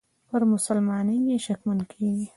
پر مسلماني یې شکمن کیږي.